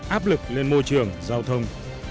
áp lực lên môi trường giao thông